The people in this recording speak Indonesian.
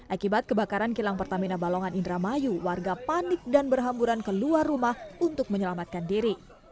akibat kebakaran kilang pertamina balongan indramayu warga panik dan berhamburan keluar rumah untuk menyelamatkan diri